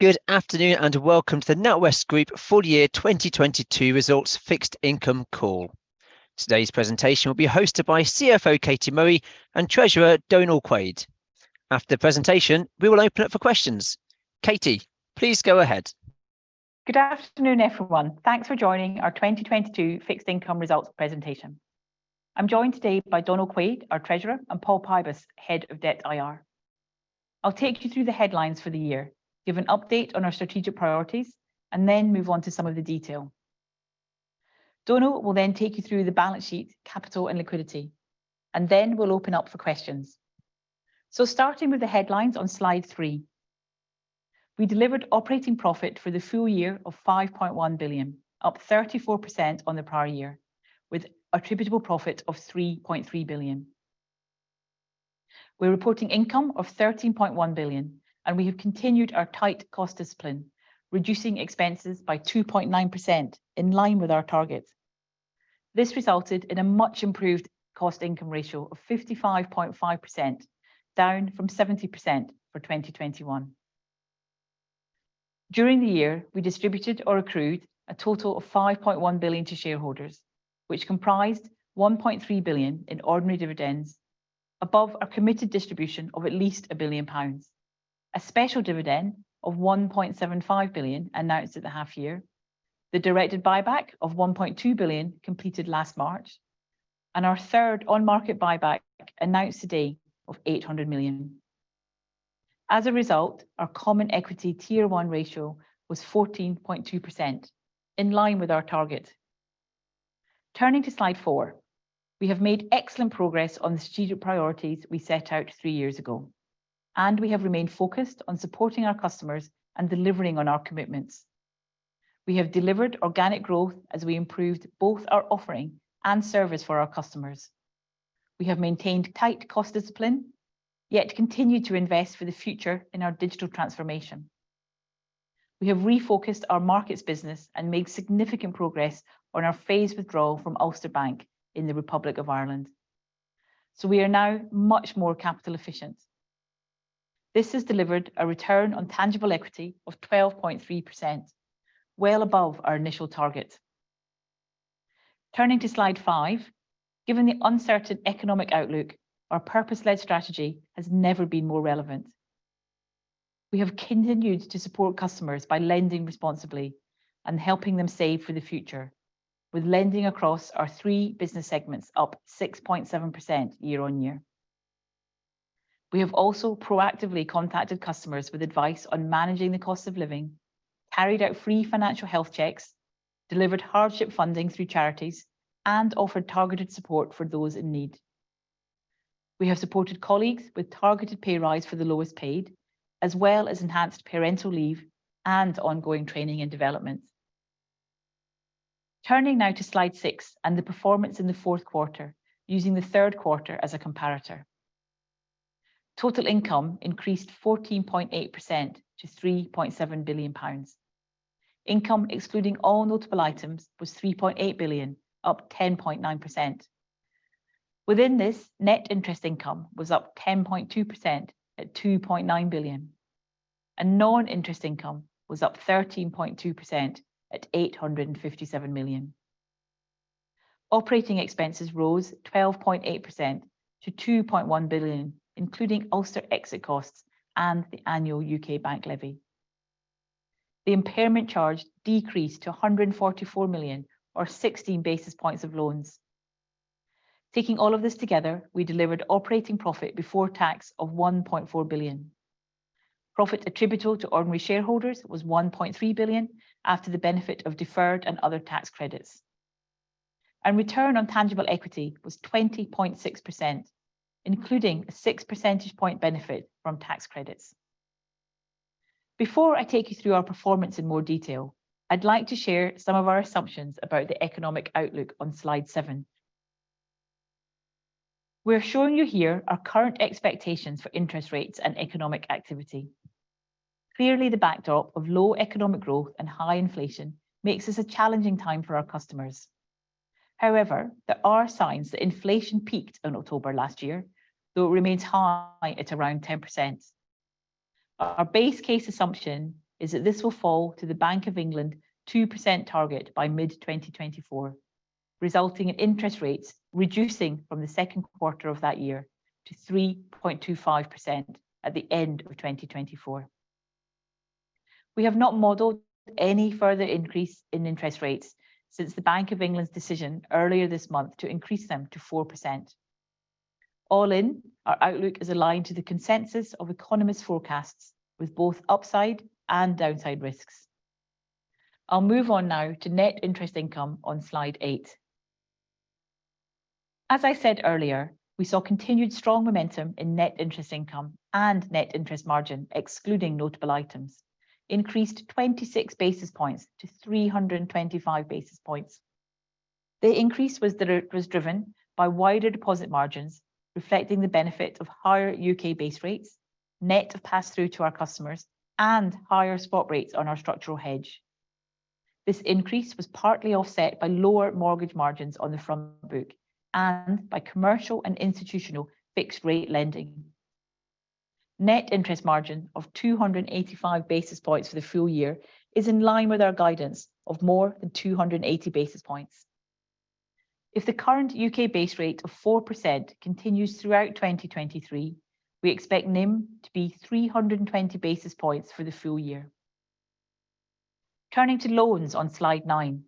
Good afternoon. Welcome to the NatWest Group full year 2022 results fixed income call. Today's presentation will be hosted by CFO Katie Murray and Treasurer Donal Quaid. After the presentation, we will open up for questions. Katie, please go ahead. Good afternoon, everyone. Thanks for joining our 2022 fixed income results presentation. I'm joined today by Donal Quaid, our treasurer, and Paul Pybus, Head of Debt IR. I'll take you through the headlines for the year, give an update on our strategic priorities, and then move on to some of the detail. Donal will then take you through the balance sheet, capital, and liquidity, and then we'll open up for questions. Starting with the headlines on slide three. We delivered operating profit for the full year of 5.1 billion, up 34% on the prior year, with attributable profit of 3.3 billion. We're reporting income of 13.1 billion, and we have continued our tight cost discipline, reducing expenses by 2.9% in line with our target. This resulted in a much improved cost-income ratio of 55.5%, down from 70% for 2021. During the year, we distributed or accrued a total of 5.1 billion to shareholders, which comprised 1.3 billion in ordinary dividends above a committed distribution of at least 1 billion pounds, a special dividend of 1.75 billion announced at the half year, the directed buyback of 1.2 billion completed last March, and our third on-market buyback announced today of 800 million. Our common equity Tier One ratio was 14.2%, in line with our target. Turning to slide four. We have made excellent progress on the strategic priorities we set out three years ago, we have remained focused on supporting our customers and delivering on our commitments. We have delivered organic growth as we improved both our offering and service for our customers. We have maintained tight cost discipline, yet continued to invest for the future in our digital transformation. We have refocused our markets business and made significant progress on our phased withdrawal from Ulster Bank in the Republic of Ireland. We are now much more capital efficient. This has delivered a return on tangible equity of 12.3%, well above our initial target. Turning to slide five. Given the uncertain economic outlook, our purpose-led strategy has never been more relevant. We have continued to support customers by lending responsibly and helping them save for the future. With lending across our three business segments up 6.7% year-on-year. We have also proactively contacted customers with advice on managing the cost of living, carried out free financial health checks, delivered hardship funding through charities, and offered targeted support for those in need. We have supported colleagues with targeted pay rise for the lowest paid, as well as enhanced parental leave and ongoing training and development. Turning now to slide six and the performance in the fourth quarter, using the third quarter as a comparator. Total income increased 14.8% to 3.7 billion pounds. Income excluding all notable items was 3.8 billion, up 10.9%. Within this, net interest income was up 10.2% at 2.9 billion, and non-interest income was up 13.2% at 857 million. Operating expenses rose 12.8% to 2.1 billion, including Ulster exit costs and the annual U.K. bank levy. The impairment charge decreased to 144 million or 16 basis points of loans. Taking all of this together, we delivered operating profit before tax of 1.4 billion. Profit attributable to ordinary shareholders was 1.3 billion after the benefit of deferred and other tax credits. Return on tangible equity was 20.6%, including a 6 percentage point benefit from tax credits. Before I take you through our performance in more detail, I'd like to share some of our assumptions about the economic outlook on slide seven. We're showing you here our current expectations for interest rates and economic activity. Clearly, the backdrop of low economic growth and high inflation makes this a challenging time for our customers. There are signs that inflation peaked in October last year, though it remains high at around 10%. Our base case assumption is that this will fall to the Bank of England 2% target by mid-2024, resulting in interest rates reducing from the second quarter of that year to 3.25% at the end of 2024. We have not modeled any further increase in interest rates since the Bank of England's decision earlier this month to increase them to 4%. All in, our outlook is aligned to the consensus of economists' forecasts with both upside and downside risks. I'll move on now to net interest income on slide eight. As I said earlier, we saw continued strong momentum in net interest income and net interest margin, excluding notable items, increased 26 basis points to 325 basis points. The increase was driven by wider deposit margins, reflecting the benefit of higher U.K. base rates, net of pass-through to our customers and higher spot rates on our structural hedge. This increase was partly offset by lower mortgage margins on the front book and by commercial and institutional fixed rate lending. Net interest margin of 285 basis points for the full year is in line with our guidance of more than 280 basis points. If the current U.K. base rate of 4% continues throughout 2023, we expect NIM to be 320 basis points for the full year. Turning to loans on slide nine.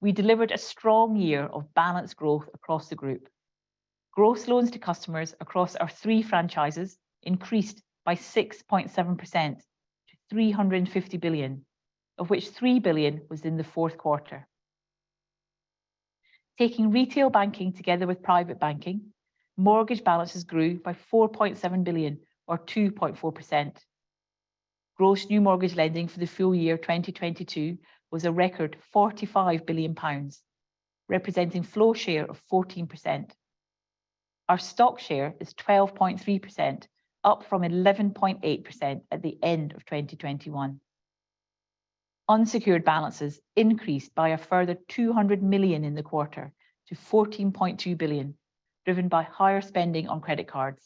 We delivered a strong year of balanced growth across the Group. Gross loans to customers across our three franchises increased by 6.7% to 350 billion, of which 3 billion was in the fourth quarter. Taking retail banking together with private banking, mortgage balances grew by 4.7 billion or 2.4%. Gross new mortgage lending for the full year 2022 was a record 45 billion pounds, representing flow share of 14%. Our stock share is 12.3%, up from 11.8% at the end of 2021. Unsecured balances increased by a further 200 million in the quarter to 14.2 billion, driven by higher spending on credit cards.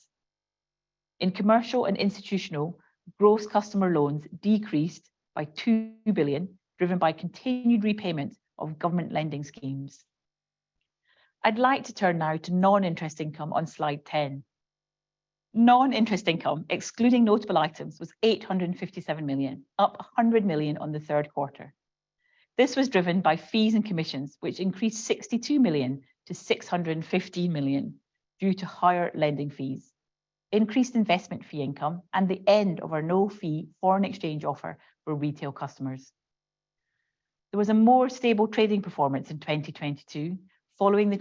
In commercial and institutional, gross customer loans decreased by 2 billion, driven by continued repayment of government lending schemes. I'd like to turn now to non-interest income on slide 10. Non-interest income, excluding notable items, was 857 million, up 100 million on the third quarter. This was driven by fees and commissions, which increased 62 million to 650 million due to higher lending fees, increased investment fee income, and the end of our no fee foreign exchange offer for retail customers. There was a more stable trading performance in 2022 following the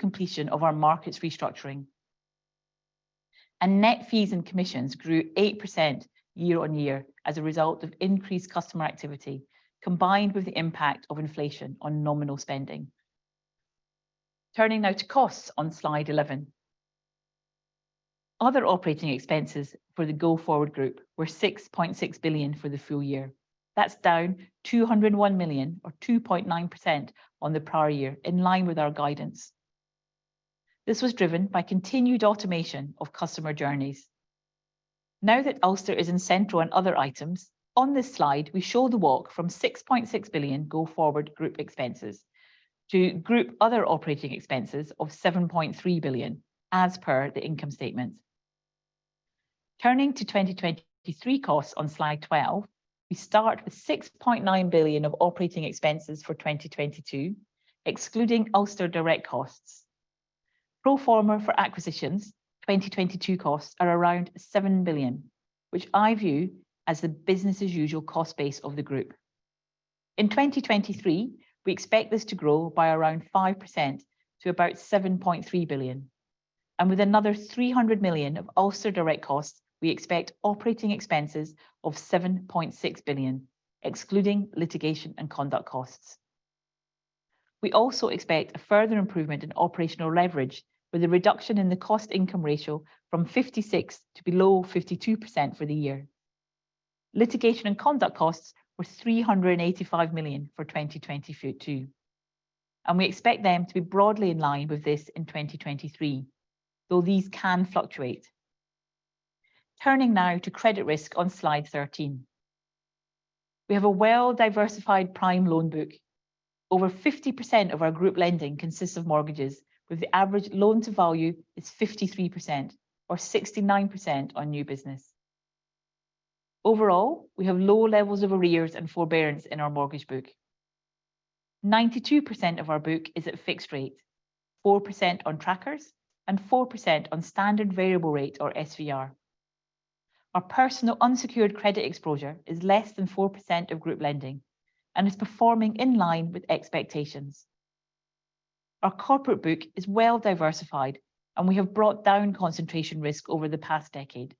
completion of our markets restructuring. Net fees and commissions grew 8% year-over-year as a result of increased customer activity, combined with the impact of inflation on nominal spending. Turning now to costs on slide 11. Other operating expenses for the go forward group were 6.6 billion for the full year. That's down 201 million or 2.9% on the prior year, in line with our guidance. This was driven by continued automation of customer journeys. Now that Ulster is in central and other items, on this slide we show the walk from 6.6 billion go forward group expenses to group other operating expenses of 7.3 billion as per the income statement. Turning to 2023 costs on slide 12, we start with 6.9 billion of operating expenses for 2022, excluding Ulster direct costs. Pro forma for acquisitions, 2022 costs are around 7 billion, which I view as the business as usual cost base of the group. In 2023, we expect this to grow by around 5% to about 7.3 billion. With another 300 million of Ulster direct costs, we expect operating expenses of 7.6 billion, excluding litigation and conduct costs. We also expect a further improvement in operational leverage with a reduction in the cost-income ratio from 56% to below 52% for the year. Litigation and conduct costs were 385 million for 2022, and we expect them to be broadly in line with this in 2023, though these can fluctuate. Turning now to credit risk on slide 13. We have a well-diversified prime loan book. Over 50% of our group lending consists of mortgages, with the average loan-to-value is 53% or 69% on new business. Overall, we have low levels of arrears and forbearance in our mortgage book. 92% of our book is at fixed rate, 4% on trackers and 4% on standard variable rate or SVR. Our personal unsecured credit exposure is less than 4% of Group lending and is performing in line with expectations. Our corporate book is well diversified, and we have brought down concentration risk over the past decade.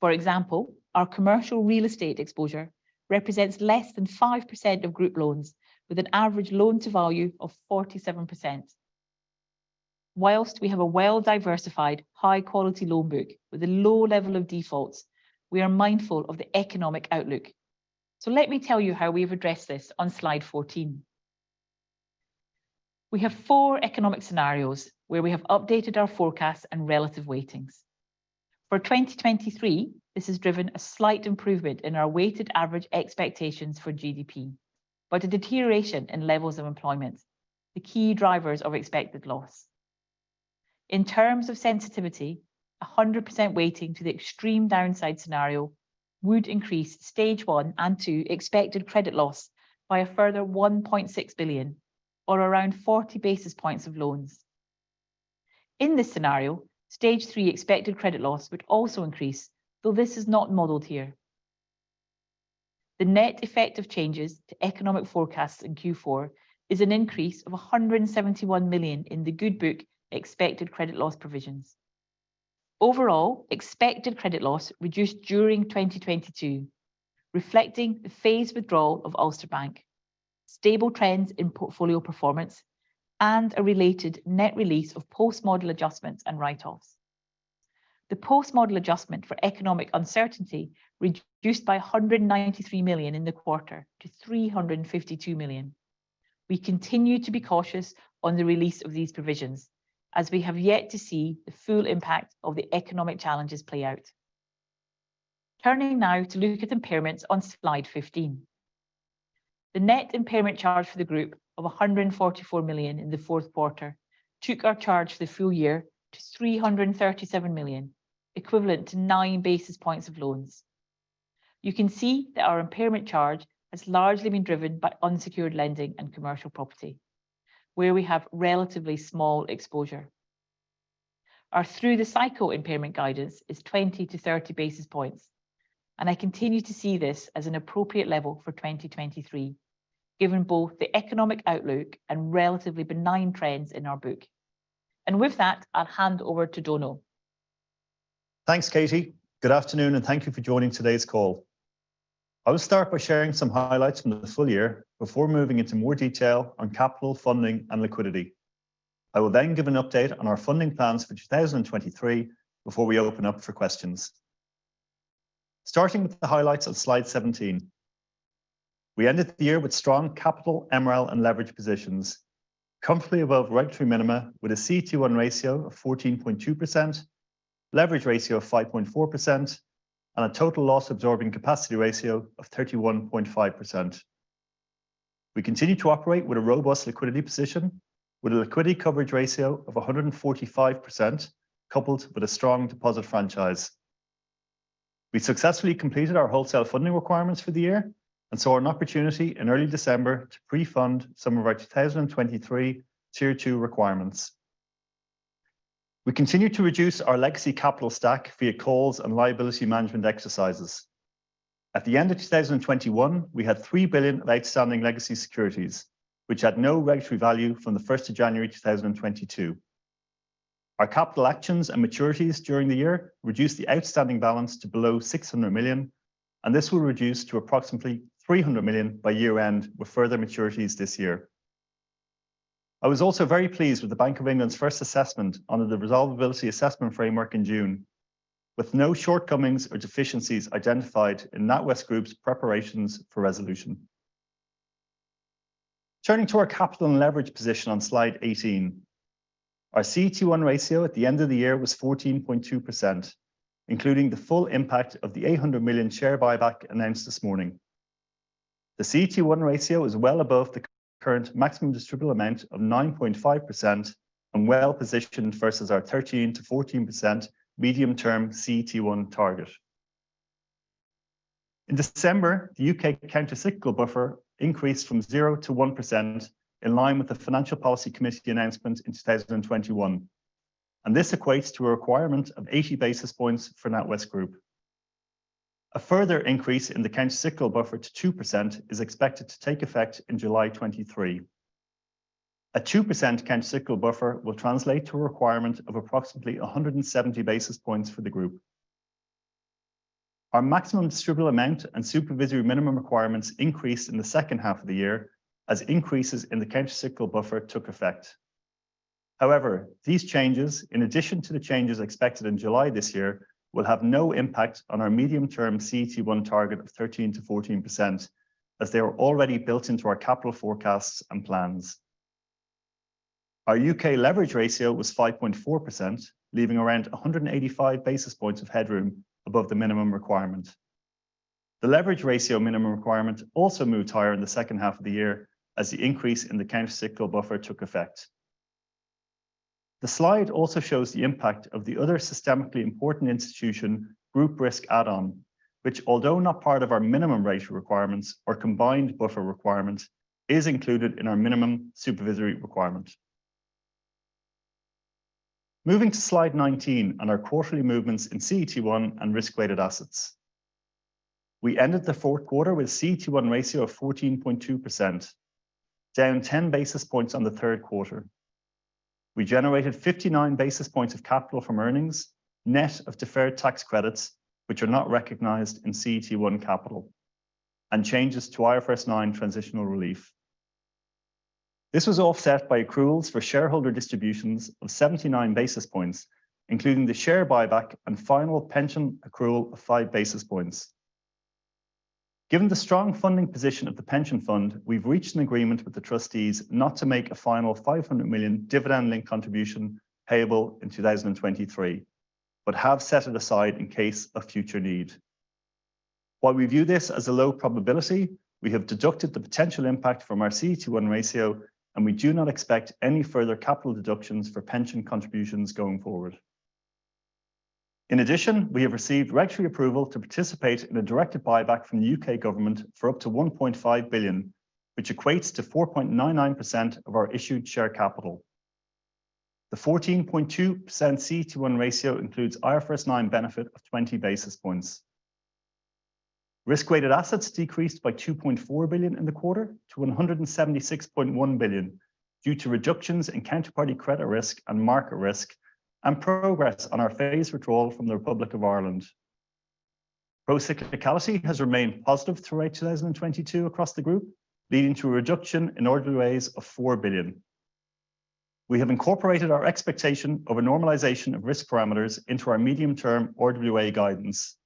For example, our commercial real estate exposure represents less than 5% of Group loans with an average loan-to-value of 47%. Whilst we have a well-diversified, high-quality loan book with a low level of defaults, we are mindful of the economic outlook. Let me tell you how we've addressed this on slide 14. We have four economic scenarios where we have updated our forecasts and relative weightings. For 2023, this has driven a slight improvement in our weighted average expectations for GDP, but a deterioration in levels of employment, the key drivers of expected loss. In terms of sensitivity, 100% weighting to the extreme downside scenario would increase stage one and two expected credit loss by a further 1.6 billion or around 40 basis points of loans. In this scenario, stage three expected credit loss would also increase, though this is not modeled here. The net effect of changes to economic forecasts in Q4 is an increase of 171 million in the good book expected credit loss provisions. Overall, expected credit loss reduced during 2022, reflecting the phased withdrawal of Ulster Bank, stable trends in portfolio performance, and a related net release of post-model adjustments and write-offs. The post-model adjustment for economic uncertainty reduced by 193 million in the quarter to 352 million. We continue to be cautious on the release of these provisions, as we have yet to see the full impact of the economic challenges play out. Turning now to look at impairments on slide 15. The net impairment charge for the group of 144 million in the fourth quarter took our charge for the full year to 337 million, equivalent to 9 basis points of loans. You can see that our impairment charge has largely been driven by unsecured lending and commercial property, where we have relatively small exposure. Our through the cycle impairment guidance is 20-30 basis points, and I continue to see this as an appropriate level for 2023, given both the economic outlook and relatively benign trends in our book. With that, I'll hand over to Donal. Thanks, Katie. Good afternoon, thank you for joining today's call. I will start by sharing some highlights from the full year before moving into more detail on capital funding and liquidity. I will give an update on our funding plans for 2023 before we open up for questions. Starting with the highlights on slide 17, we ended the year with strong capital MREL and leverage positions, comfortably above regulatory minima with a CET1 ratio of 14.2%, leverage ratio of 5.4%, and a Total Loss Absorbing Capacity ratio of 31.5%. We continue to operate with a robust liquidity position with a Liquidity Coverage Ratio of 145% coupled with a strong deposit franchise. We successfully completed our wholesale funding requirements for the year and saw an opportunity in early December to pre-fund some of our 2023 Tier Two requirements. We continued to reduce our legacy capital stack via calls and liability management exercises. At the end of 2021, we had 3 billion of outstanding legacy securities which had no regulatory value from the first of January 2022. Our capital actions and maturities during the year reduced the outstanding balance to below 600 million, and this will reduce to approximately 300 million by year-end with further maturities this year. I was also very pleased with the Bank of England's first assessment under the Resolvability Assessment Framework in June, with no shortcomings or deficiencies identified in NatWest Group's preparations for resolution. Turning to our capital and leverage position on slide 18. Our CET1 ratio at the end of the year was 14.2%, including the full impact of the 800 million share buyback announced this morning. The CET1 ratio is well above the current Maximum Distributable Amount of 9.5% and well positioned versus our 13%-14% medium-term CET1 target. In December, the U.K. countercyclical buffer increased from zero to 1% in line with the Financial Policy Committee announcement in 2021, this equates to a requirement of 80 basis points for NatWest Group. A further increase in the countercyclical buffer to 2% is expected to take effect in July 2023. A 2% countercyclical buffer will translate to a requirement of approximately 170 basis points for the group. Our Maximum Distributable Amount and supervisory minimum requirements increased in the second half of the year as increases in the countercyclical buffer took effect. However, these changes, in addition to the changes expected in July this year, will have no impact on our medium-term CET1 target of 13%-14%, as they are already built into our capital forecasts and plans. Our U.K. leverage ratio was 5.4%, leaving around 185 basis points of headroom above the minimum requirement. The leverage ratio minimum requirement also moved higher in the second half of the year as the increase in the countercyclical buffer took effect. The slide also shows the impact of the other systemically important institution group risk add-on, which although not part of our minimum ratio requirements or combined buffer requirement, is included in our minimum supervisory requirement. Moving to slide 19 on our quarterly movements in CET1 and risk-weighted assets. We ended the fourth quarter with a CET1 ratio of 14.2%, down 10 basis points on the third quarter. We generated 59 basis points of capital from earnings, net of deferred tax credits, which are not recognized in CET1 capital, and changes to IFRS 9 transitional relief. This was offset by accruals for shareholder distributions of 79 basis points, including the share buyback and final pension accrual of 5 basis points. Given the strong funding position of the pension fund, we've reached an agreement with the trustees not to make a final 500 million dividend link contribution payable in 2023, but have set it aside in case of future need. While we view this as a low probability, we have deducted the potential impact from our CET1 ratio, and we do not expect any further capital deductions for pension contributions going forward. In addition, we have received regulatory approval to participate in a directed buyback from the U.K. government for up to 1.5 billion, which equates to 4.99% of our issued share capital. The 14.2% CET1 ratio includes IFRS 9 benefit of 20 basis points. Risk-weighted assets decreased by 2.4 billion in the quarter to 176.1 billion due to reductions in counterparty credit risk and market risk and progress on our phased withdrawal from the Republic of Ireland. Procyclicality has remained positive through 2022 across the group, leading to a reduction in order RWA of 4 billion. We have incorporated our expectation of a normalization of risk parameters into our medium-term RWA guidance.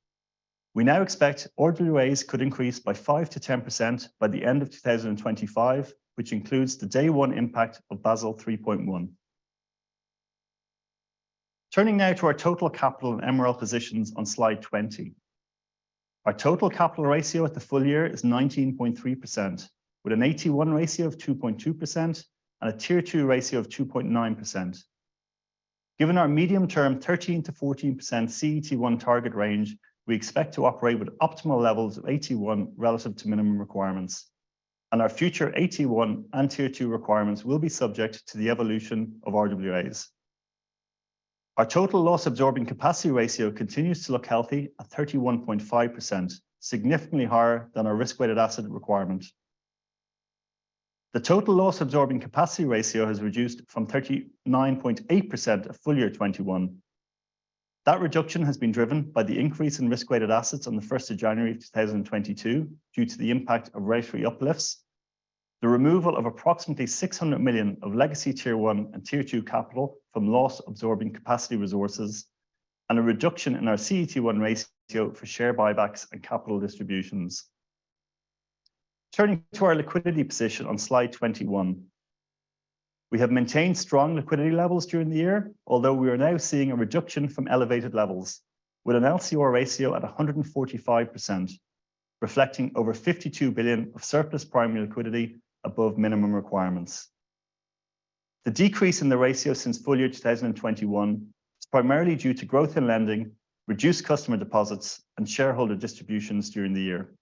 We now expect RWAs could increase by 5%-10% by the end of 2025, which includes the day one impact of Basel 3.1. Turning now to our total capital and MREL positions on slide 20. Our total capital ratio at the full year is 19.3%, with an AT1 ratio of 2.2% and a Tier Two ratio of 2.9%. Given our medium-term 13%-14% CET1 target range, we expect to operate with optimal levels of AT1 relative to minimum requirements, and our future AT1 and Tier 2 requirements will be subject to the evolution of RWAs. Our total loss absorbing capacity ratio continues to look healthy at 31.5%, significantly higher than our risk-weighted asset requirement. The total loss absorbing capacity ratio has reduced from 39.8% at full year 2021. That reduction has been driven by the increase in risk-weighted assets on the 1st of January 2022 due to the impact of regulatory uplifts, the removal of approximately 600 million of legacy Tier One and Tier Two capital from loss absorbing capacity resources, and a reduction in our CET1 ratio for share buybacks and capital distributions. Turning to our liquidity position on slide 21. We have maintained strong liquidity levels during the year, although we are now seeing a reduction from elevated levels with an LCR ratio at 145%, reflecting over 52 billion of surplus primary liquidity above minimum requirements. The decrease in the ratio since full year 2021 is primarily due to growth in lending, reduced customer deposits, and shareholder distributions during the year.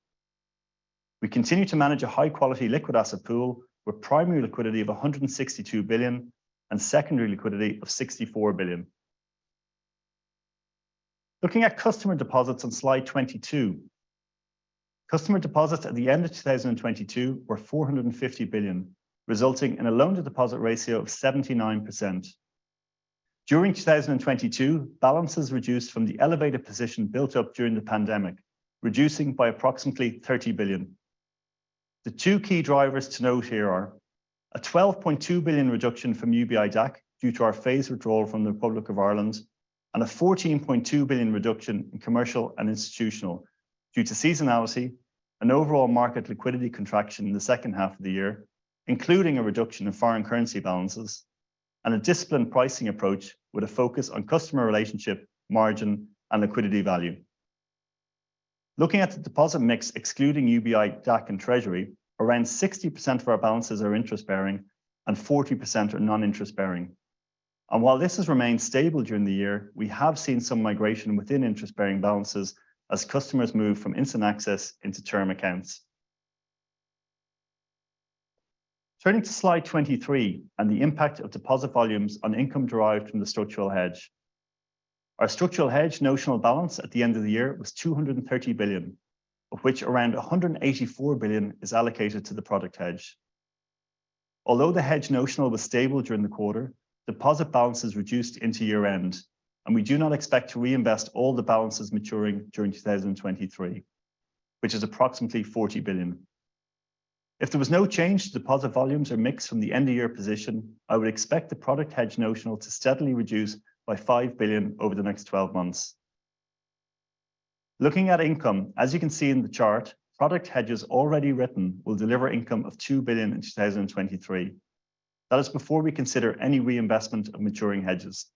We continue to manage a high-quality liquid asset pool with primary liquidity of 162 billion and secondary liquidity of 64 billion. Looking at customer deposits on slide 22. Customer deposits at the end of 2022 were 450 billion, resulting in a loan-to-deposit ratio of 79%. During 2022, balances reduced from the elevated position built up during the pandemic, reducing by approximately 30 billion. The two key drivers to note here are a 12.2 billion reduction from UBI DAC due to our phased withdrawal from the Republic of Ireland and a 14.2 billion reduction in commercial and institutional due to seasonality and overall market liquidity contraction in the second half of the year, including a reduction in foreign currency balances and a disciplined pricing approach with a focus on customer relationship, margin, and liquidity value. Looking at the deposit mix excluding UBI DAC and Treasury, around 60% of our balances are interest-bearing and 40% are non-interest-bearing. While this has remained stable during the year, we have seen some migration within interest-bearing balances as customers move from instant access into term accounts. Turning to slide 23 and the impact of deposit volumes on income derived from the structural hedge. Our structural hedge notional balance at the end of the year was 230 billion, of which around 184 billion is allocated to the product hedge. The hedge notional was stable during the quarter, deposit balances reduced into year-end, and we do not expect to reinvest all the balances maturing during 2023, which is approximately 40 billion. If there was no change to deposit volumes or mix from the end-of-year position, I would expect the product hedge notional to steadily reduce by 5 billion over the next 12 months. Looking at income, as you can see in the chart, product hedges already written will deliver income of 2 billion in 2023. That is before we consider any reinvestment of maturing hedges.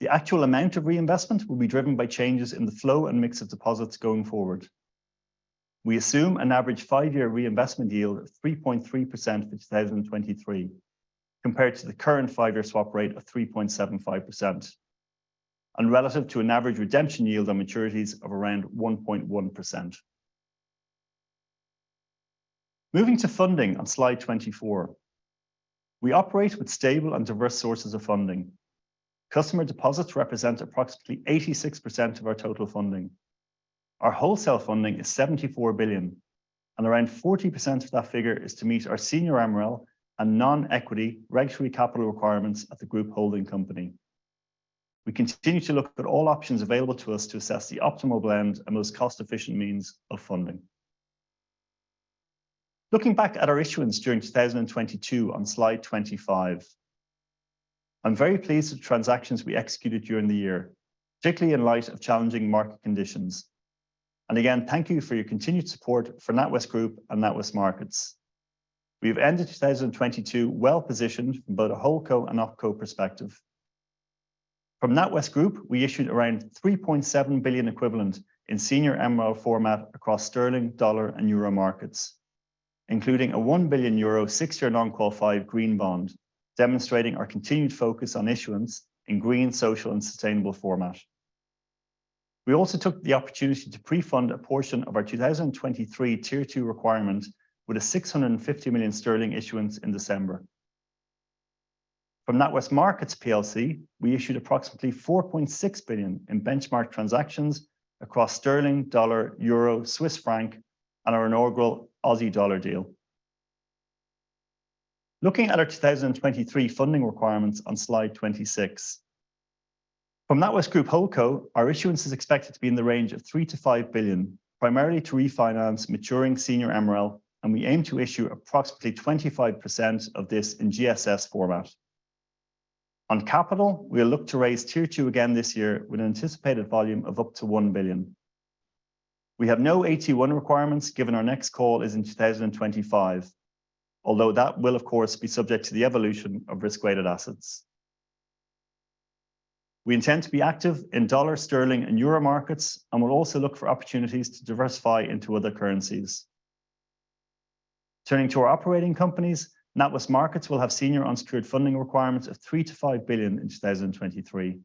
The actual amount of reinvestment will be driven by changes in the flow and mix of deposits going forward. We assume an average five-year reinvestment yield of 3.3% for 2023, compared to the current five-year swap rate of 3.75%, and relative to an average redemption yield on maturities of around 1.1%. Moving to funding on slide 24. We operate with stable and diverse sources of funding. Customer deposits represent approximately 86% of our total funding. Our wholesale funding is 74 billion, and around 40% of that figure is to meet our senior MREL and non-equity regulatory capital requirements at the group holding company. We continue to look at all options available to us to assess the optimal blend and most cost-efficient means of funding. Looking back at our issuance during 2022 on slide 25, I'm very pleased with transactions we executed during the year, particularly in light of challenging market conditions. Again, thank you for your continued support for NatWest Group and NatWest Markets. We have ended 2022 well-positioned from both a Holdco and Opco perspective. From NatWest Group, we issued around 3.7 billion equivalent in senior MREL format across sterling, dollar, and euro markets, including a 1 billion euro six-year non-qualified green bond, demonstrating our continued focus on issuance in green, social, and sustainable format. We also took the opportunity to pre-fund a portion of our 2023 Tier Two requirement with a 650 million sterling issuance in December. From NatWest Markets Plc, we issued approximately 4.6 billion in benchmark transactions across sterling, dollar, euro, Swiss franc, and our inaugural Aussie dollar deal. Looking at our 2023 funding requirements on slide 26. From NatWest Group Holdco, our issuance is expected to be in the range of 3 billion-5 billion, primarily to refinance maturing senior MREL, and we aim to issue approximately 25% of this in GSS format. On capital, we'll look to raise Tier Two again this year with an anticipated volume of up to 1 billion. We have no AT1 requirements given our next call is in 2025, although that will, of course, be subject to the evolution of risk-weighted assets. We intend to be active in dollar, sterling, and euro markets, and we'll also look for opportunities to diversify into other currencies. Turning to our operating companies, NatWest Markets will have senior unsecured funding requirements of 3 billion-5 billion in 2023,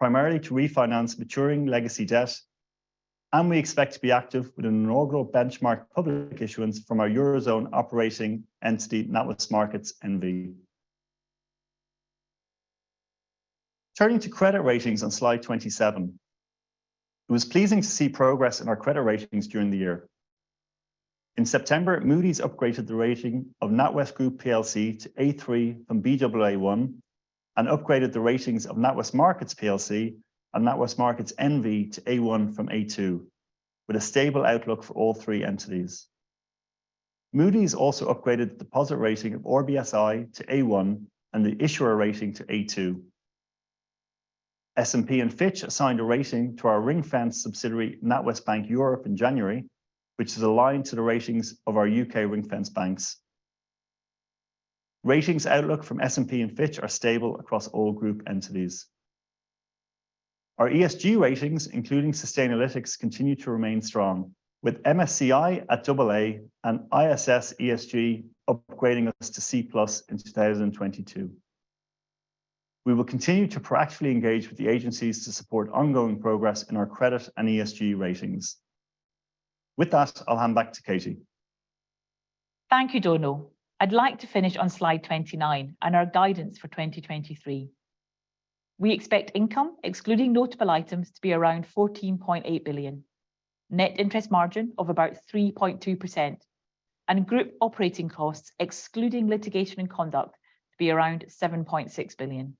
primarily to refinance maturing legacy debt, and we expect to be active with an inaugural benchmark public issuance from our Eurozone operating entity, NatWest Markets N.V. Turning to credit ratings on slide 27. It was pleasing to see progress in our credit ratings during the year. In September, Moody's upgraded the rating of NatWest Group plc to A3 from Baa1 and upgraded the ratings of NatWest Markets Plc and NatWest Markets N.V. to A1 from A2 with a stable outlook for all three entities. Moody's also upgraded the deposit rating of RBSI to A1 and the issuer rating to A2. S&P and Fitch assigned a rating to our ring-fenced subsidiary, NatWest Bank Europe, in January, which is aligned to the ratings of our U.K. ring-fenced banks. Ratings outlook from S&P and Fitch are stable across all group entities. Our ESG ratings, including Sustainalytics, continue to remain strong, with MSCI at AA and ISS ESG upgrading us to C+ in 2022. We will continue to proactively engage with the agencies to support ongoing progress in our credit and ESG ratings. With that, I'll hand back to Katie. Thank you, Donal. I'd like to finish on slide 29 and our guidance for 2023. We expect income, excluding notable items, to be around 14.8 billion, net interest margin of about 3.2%, and group operating costs, excluding litigation and conduct, to be around 7.6 billion,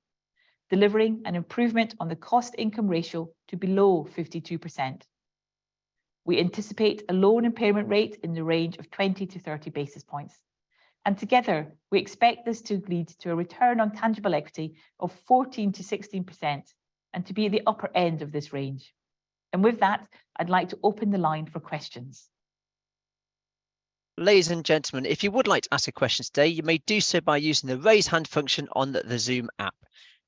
delivering an improvement on the cost-income ratio to below 52%. We anticipate a loan impairment rate in the range of 20-30 basis points. Together, we expect this to lead to a return on tangible equity of 14%-16% and to be at the upper end of this range. With that, I'd like to open the line for questions. Ladies and gentlemen, if you would like to ask a question today, you may do so by using the Raise Hand function on the Zoom app.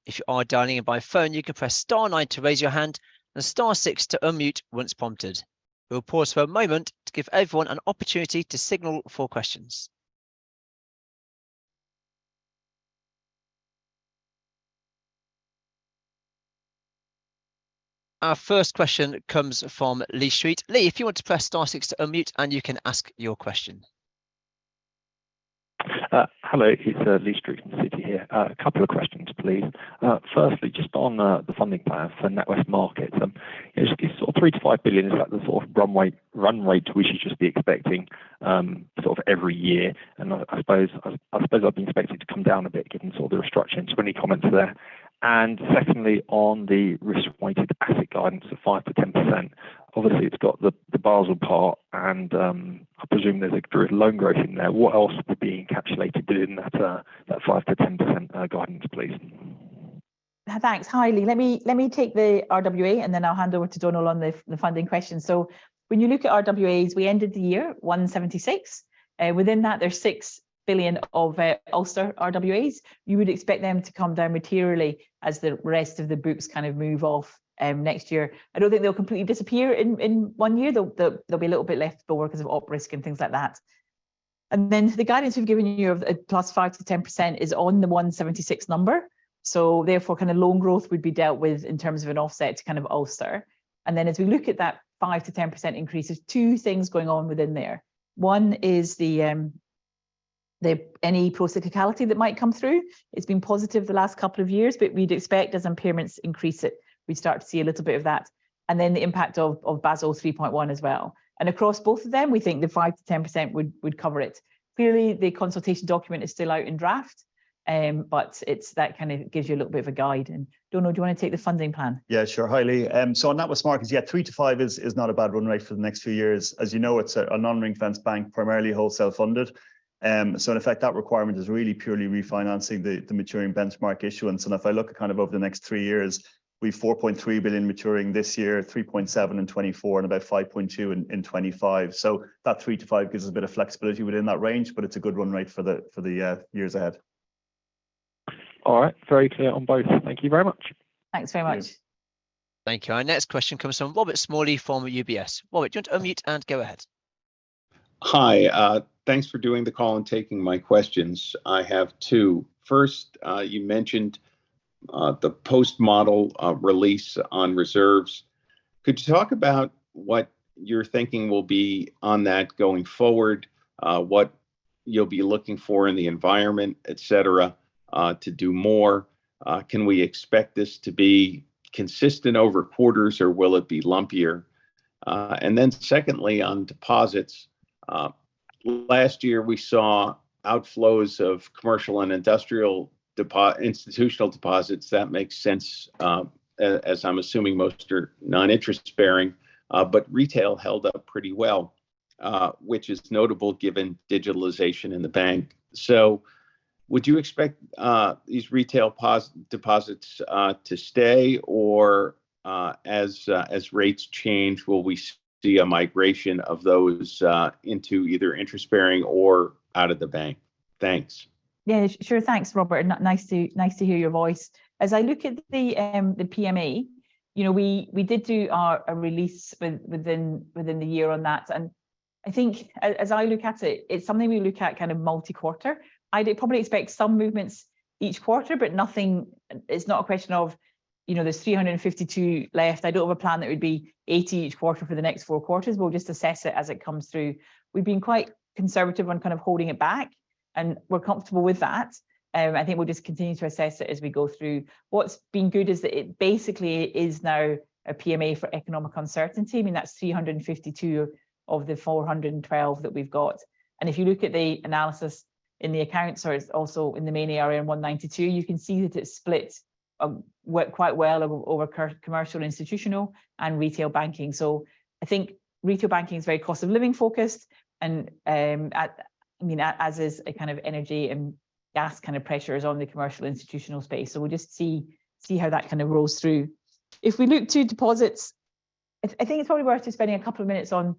If you are dialing in by phone, you can press star nine to raise your hand and star six to unmute once prompted. We'll pause for a moment to give everyone an opportunity to signal for questions. Our first question comes from Lee Street. Lee, if you want to press star six to unmute, you can ask your question. Hello. It's Lee Street from Citi here. A couple of questions, please. Firstly, just on the funding plan for NatWest Markets. It's 3 billion-5 billion is the runway to we should just be expecting every year. I suppose I've been expecting it to come down a bit given the restructuring. Any comments there? Secondly, on the risk-weighted asset guidance of 5%-10%, obviously, it's got the Basel part, and I presume there's loan growth in there. What else would be encapsulated in that 5%-10% guidance, please? Thanks. Hi, Lee. Let me take the RWA, and then I'll hand over to Donal on the funding question. When you look at RWAs, we ended the year at 176. Within that, there's 6 billion of Ulster RWAs. You would expect them to come down materially as the rest of the books kind of move off next year. I don't think they'll completely disappear in one year. There'll be a little bit left, but all because of operational risk and things like that. The guidance we've given you of +5% to 10% is on the 176 number, so therefore, kind of, loan growth would be dealt with in terms of an offset to, kind of, Ulster. Then as we look at that 5%-10% increase, there's two things going on within there. One is any procyclicality that might come through. It's been positive the last couple of years, but we'd expect as impairments increase it, we'd start to see a little bit of that, and then the impact of Basel 3.1 as well. Across both of them, we think the 5%-10% would cover it. Clearly, the consultation document is still out in draft, that kind of gives you a little bit of a guide. Donal, do you want to take the funding plan? Yeah, sure. Hi, Lee. On NatWest Markets, yeah, 3 billion-5 billion is not a bad run rate for the next few years. As you know, it's a non-ring-fenced bank, primarily wholesale funded. In effect, that requirement is really purely refinancing the maturing benchmark issuance. If I look at, kind of, over the next three years, we've 4.3 billion maturing this year, 3.7 billion in 2024, about 5.2 billion in 2025. That 3 billion-5 billion gives us a bit of flexibility within that range. It's a good run rate for the years ahead. All right. Very clear on both. Thank you very much. Thanks very much. Yeah. Thank you. Our next question comes from Robert Smalley from UBS. Robert, do you want to unmute and go ahead. Hi. Thanks for doing the call and taking my questions. I have two. First, you mentioned the post-model release on reserves. Could you talk about what your thinking will be on that going forward, what you'll be looking for in the environment, et cetera, to do more? Can we expect this to be consistent over quarters, or will it be lumpier? Secondly on deposits. Last year we saw outflows of commercial and industrial institutional deposits. That makes sense, as I'm assuming most are non-interest bearing. Retail held up pretty well, which is notable given digitalization in the bank. So would you expect these retail deposits to stay or, as rates change, will we see a migration of those into either interest bearing or out of the bank? Thanks. Yeah, sure. Thanks, Robert, and nice to hear your voice. As I look at the PMA, you know, we did do our a release within the year on that, and as I look at it's something we look at kind of multi-quarter. I'd probably expect some movements each quarter, but nothing. It's not a question of, you know, there's 352 left. I don't have a plan that would be 80 each quarter for the next four quarters. We'll just assess it as it comes through. We've been quite conservative on kind of holding it back, and we're comfortable with that, I think we'll just continue to assess it as we go through. What's been good is that it basically is now a PMA for economic uncertainty. I mean, that's 352 of the 412 that we've got, if you look at the analysis in the accounts or also in the main area in 192, you can see that it's split, work quite well over commercial, institutional and retail banking. I think retail banking is very cost-of-living focused and, I mean, as is a kind of energy and gas kind of pressures on the commercial institutional space. We'll just see how that kind of rolls through. If we look to deposits, I think it's probably worth just spending a couple of minutes on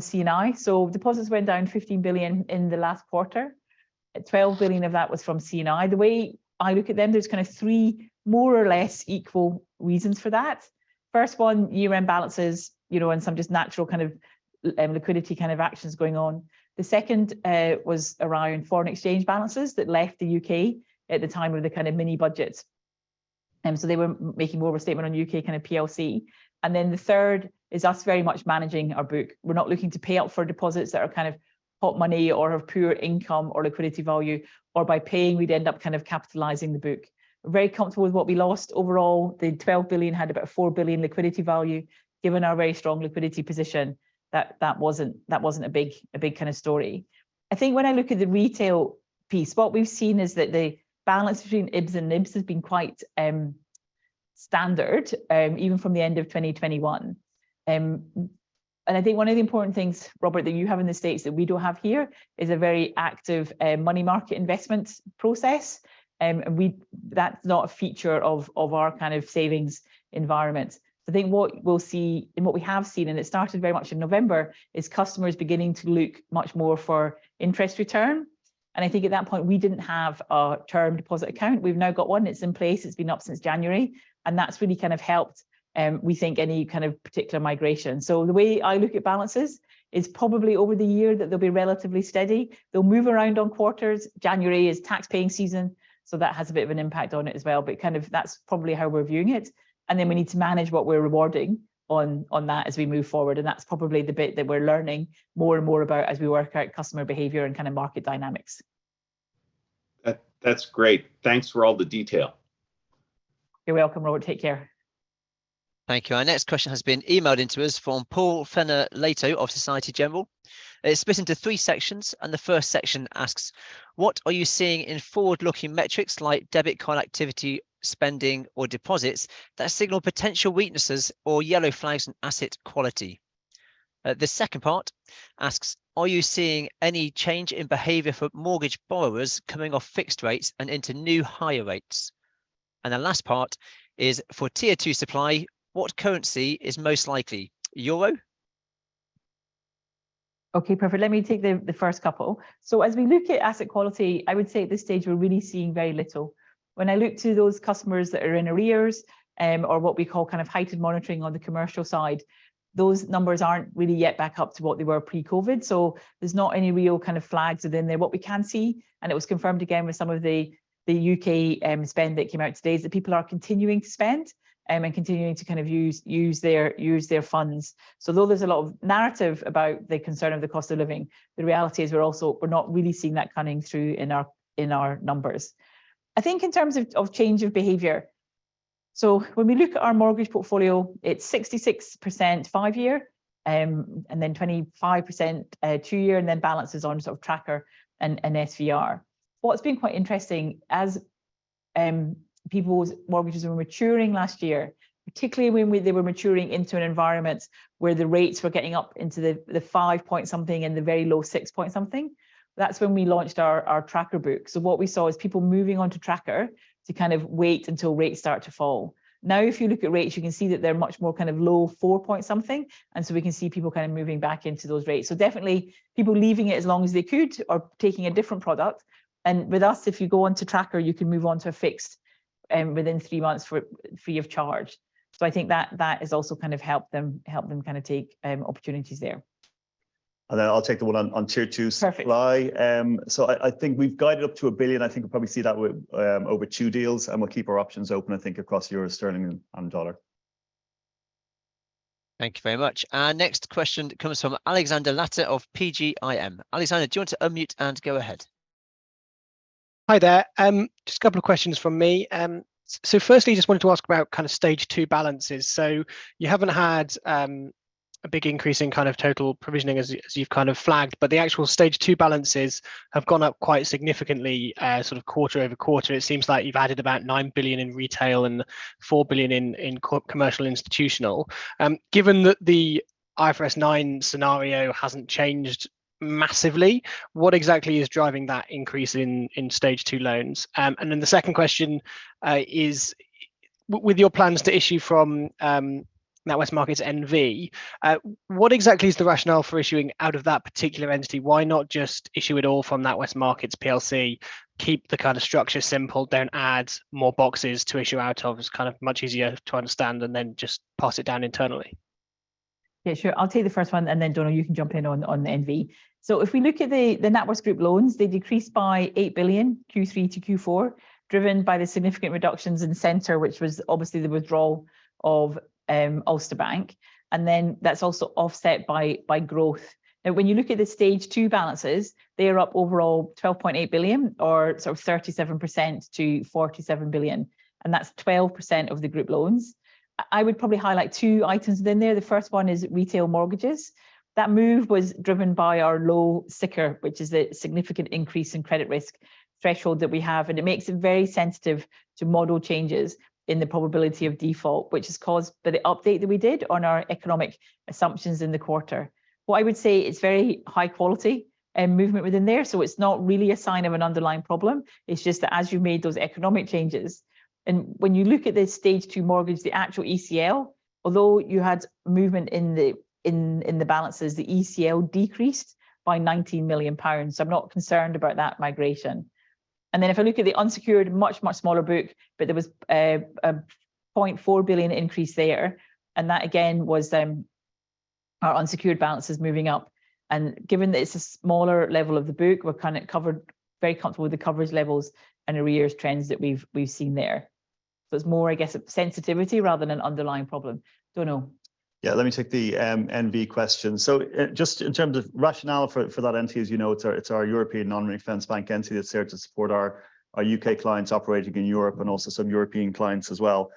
C&I. Deposits went down 50 billion in the last quarter. 12 billion of that was from C&I. The way I look at them, there's kind of three more or less equal reasons for that. First one, year-end balances, you know, and some just natural kind of liquidity kind of actions going on. The second, was around foreign exchange balances that left the U.K. at the time of the kind of mini budget. They were making more of a statement on U..K kind of PLC. The third is us very much managing our book. We're not looking to pay out for deposits that are kind of hot money or have poor income or liquidity value, or by paying, we'd end up kind of capitalizing the book. Very comfortable with what we lost. Overall, the 12 billion had about 4 billion liquidity value. Given our very strong liquidity position, that wasn't a big kind of story. I think when I look at the retail piece, what we've seen is that the balance between IBS and NIBS has been quite standard, even from the end of 2021. I think one of the important things, Robert, that you have in the States that we don't have here is a very active money market investment process. That's not a feature of our kind of savings environment. I think what we'll see and what we have seen, and it started very much in November, is customers beginning to look much more for interest return, and I think at that point we didn't have a term deposit account. We've now got one, it's in place. It's been up since January, and that's really kind of helped, we think any kind of particular migration. The way I look at balances is probably over the year that they'll be relatively steady. They'll move around on quarters. January is tax-paying season, so that has a bit of an impact on it as well. Kind of that's probably how we're viewing it, then we need to manage what we're rewarding on that as we move forward, that's probably the bit that we're learning more and more about as we work out customer behavior and kind of market dynamics. That's great. Thanks for all the detail. You're welcome, Robert. Take care. Thank you. Our next question has been emailed into us from Paul Fenner-Leitão of Société Générale. It's split into three sections. The first section asks: What are you seeing in forward-looking metrics like debit card activity, spending, or deposits that signal potential weaknesses or yellow flags in asset quality? The second part asks: Are you seeing any change in behavior for mortgage borrowers coming off fixed rates and into new higher rates? The last part is: For Tier Two supply, what currency is most likely? Euro? Okay, perfect. Let me take the first couple. As we look at asset quality, I would say at this stage we're really seeing very little. When I look to those customers that are in arrears, or what we call kind of heightened monitoring on the commercial side, those numbers aren't really yet back up to what they were pre-COVID. There's not any real kind of flags within there. What we can see, and it was confirmed again with some of the U.K. spend that came out today, is that people are continuing to spend and continuing to kind of use their funds. Though there's a lot of narrative about the concern of the cost of living, the reality is we're not really seeing that coming through in our numbers. I think in terms of change of behavior, so when we look at our mortgage portfolio, it's 66% five year, and then 25% two year, and then balances on sort of tracker and SVR. What's been quite interesting, as people's mortgages were maturing last year, particularly when they were maturing into an environment where the rates were getting up into the five point something and the very low six point something, that's when we launched our tracker book. What we saw is people moving onto tracker to kind of wait until rates start to fall. If you look at rates, you can see that they're much more kind of low four point something. We can see people kind of moving back into those rates. Definitely people leaving it as long as they could are taking a different product. With us, if you go onto tracker, you can move onto a fixed, within three months for free of charge. I think that has also kind of helped them kind of take opportunities there. I'll take the one on Tier Two supply. Perfect. I think we've guided up to 1 billion. I think we'll probably see that over two deals. We'll keep our options open, I think, across euro, sterling, and dollar. Thank you very much. Our next question comes from Alexander Latter of PGIM. Alexander, do you want to unmute and go ahead? Hi there. Just a couple of questions from me. Firstly, just wanted to ask about kind of Stage two balances. You haven't had a big increase in kind of total provisioning as you've kind of flagged, but the actual Stage two balances have gone up quite significantly, sort of quarter-over-quarter. It seems like you've added about 9 billion in retail and 4 billion in commercial institutional. Given that the IFRS 9 scenario hasn't changed massively, what exactly is driving that increase in Stage two loans? Then the second question is with your plans to issue from NatWest Markets N.V., what exactly is the rationale for issuing out of that particular entity? Why not just issue it all from NatWest Markets Plc, keep the kind of structure simple, don't add more boxes to issue out of? It's kind of much easier to understand and then just pass it down internally. Yeah, sure. I'll take the first one, and then, Donal, you can jump in on NV. If we look at the NatWest Group loans, they decreased by 8 billion Q3 to Q4, driven by the significant reductions in center, which was obviously the withdrawal of Ulster Bank, and then that's also offset by growth. When you look at the stage two balances, they are up overall 12.8 billion or sort of 37% to 47 billion, and that's 12% of the group loans. I would probably highlight two items within there. The first one is retail mortgages. That move was driven by our low SICR, which is a significant increase in credit risk threshold that we have, and it makes it very sensitive to model changes in the probability of default, which is caused by the update that we did on our economic assumptions in the quarter. What I would say, it's very high quality movement within there, so it's not really a sign of an underlying problem. It's just that as you made those economic changes. When you look at the stage two mortgage, the actual ECL, although you had movement in the balances, the ECL decreased by 19 million pounds. I'm not concerned about that migration. If I look at the unsecured, much, much smaller book, but there was a 0.4 billion GBP increase there, and that again was our unsecured balances moving up. Given that it's a smaller level of the book, we're kind of covered, very comfortable with the coverage levels and arrears trends that we've seen there. It's more, I guess, a sensitivity rather than an underlying problem. Donal. Yeah, let me take the NV question. Just in terms of rationale for that entity, as you know, it's our European non-ring-fenced bank entity that's there to support our U.K. clients operating in Europe and also some European clients as well.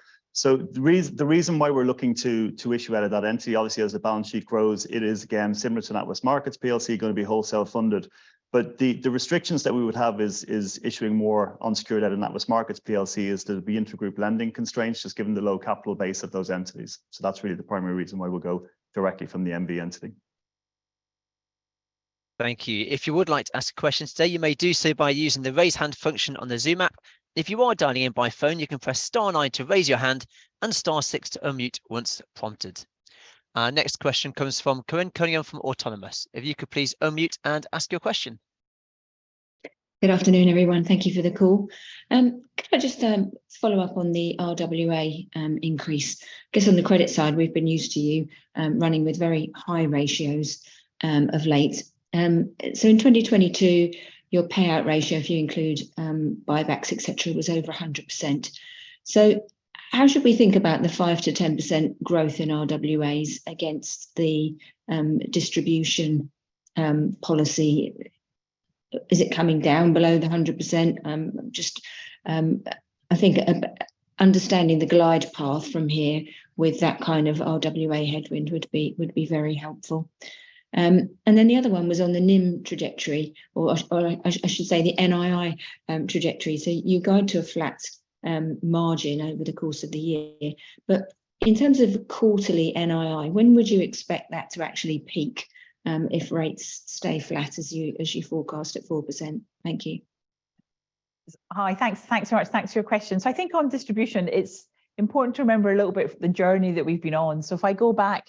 The reason why we're looking to issue out of that entity, obviously, as the balance sheet grows, it is again similar to NatWest Markets Plc, going to be wholesale funded. The restrictions that we would have is issuing more unsecured out of NatWest Markets Plc is there'd be intergroup lending constraints just given the low capital base of those entities. That's really the primary reason why we'll go directly from the NV entity. Thank you. If you would like to ask a question today, you may do so by using the raise hand function on the Zoom app. If you are dialing in by phone, you can press star nine to raise your hand and star six to unmute once prompted. Our next question comes from Corinne Cunningham from Autonomous. If you could please unmute and ask your question. Good afternoon, everyone. Thank you for the call. Could I just follow up on the RWA increase? I guess on the credit side, we've been used to you running with very high ratios of late. In 2022, your payout ratio, if you include buybacks, et cetera, was over 100%. How should we think about the 5%-10% growth in RWAs against the distribution policy? Is it coming down below the 100%? Just I think understanding the glide path from here with that kind of RWA headwind would be very helpful. Then the other one was on the NIM trajectory, or I should say the NII trajectory. You guide to a flat margin over the course of the year. In terms of quarterly NII, when would you expect that to actually peak, if rates stay flat as you, as you forecast at 4%? Thank you. Hi. Thanks. Thanks very much. Thanks for your question. I think on distribution, it's important to remember a little bit the journey that we've been on. If I go back,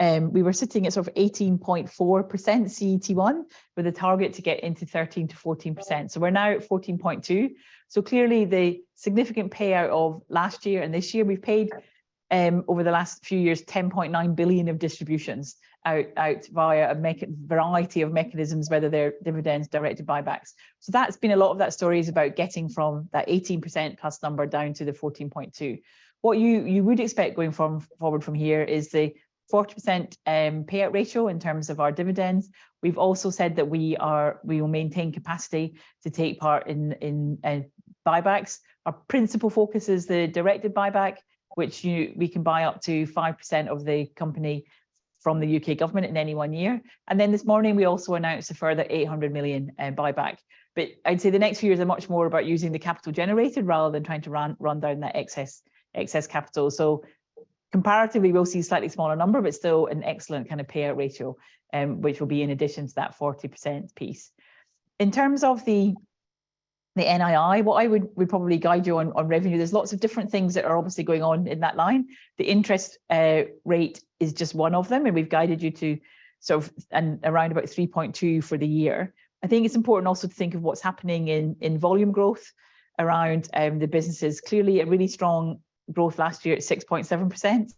we were sitting at sort of 18.4% CET1 with a target to get into 13%-14%. We're now at 14.2%. Clearly the significant payout of last year and this year, we've paid over the last few years 10.9 billion of distributions out via a variety of mechanisms, whether they're dividends, directed buybacks. That's been a lot of that story is about getting from that 18% cost number down to the 14.2%. What you would expect going from forward from here is the 40% payout ratio in terms of our dividends. We've also said that we will maintain capacity to take part in buybacks. Our principal focus is the directed buyback, which we can buy up to 5% of the company from the U.K. government in any one year. This morning, we also announced a further 800 million buyback. I'd say the next few years are much more about using the capital generated rather than trying to run down that excess capital. Comparatively, we'll see a slightly smaller number, but still an excellent kind of payout ratio, which will be in addition to that 40% piece. In terms of the NII, what I would probably guide you on revenue, there's lots of different things that are obviously going on in that line. The interest rate is just one of them, and we've guided you to sort of around about 3.2 for the year. I think it's important also to think of what's happening in volume growth around the businesses. Clearly, a really strong growth last year at 6.7%.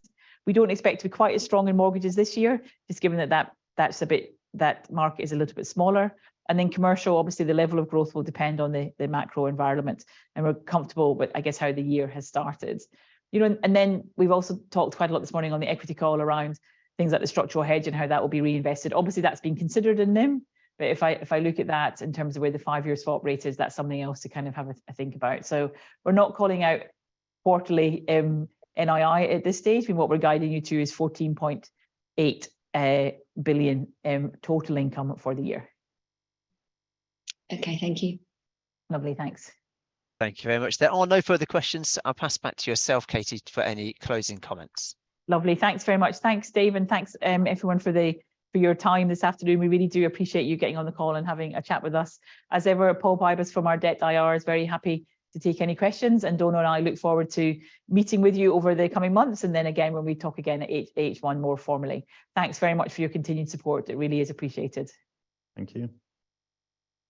We don't expect to be quite as strong in mortgages this year, just given that market is a little bit smaller. Commercial, obviously, the level of growth will depend on the macro environment, and we're comfortable with, I guess, how the year has started. You know, we've also talked quite a lot this morning on the equity call around things like the structural hedge and how that will be reinvested. Obviously, that's been considered in NIM. If I look at that in terms of where the five-year swap rate is, that's something else to kind of have a think about. We're not calling out quarterly NII at this stage. I mean, what we're guiding you to is 14.8 billion total income for the year. Okay, thank you. Lovely. Thanks. Thank you very much. There are no further questions. I'll pass back to yourself, Katie, for any closing comments. Lovely. Thanks very much. Thanks, Dave, and thanks, everyone for your time this afternoon. We really do appreciate you getting on the call and having a chat with us. As ever, Paul Pybus from our debt IR is very happy to take any questions. Donal and I look forward to meeting with you over the coming months and then again when we talk again at HH one more formally. Thanks very much for your continued support. It really is appreciated. Thank you.